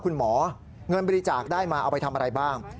คุณหมอเงินบริจาคได้มาเอาไปทำอะไรบ้าง